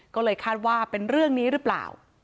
ก็เลยคาดว่าเป็นเรื่องนี้หรือเปล่า